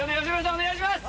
お願いします